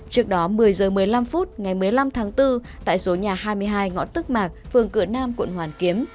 trước đó một mươi h một mươi năm phút ngày một mươi năm tháng bốn tại số nhà hai mươi hai ngõ tức mạc phường cửa nam quận hoàn kiếm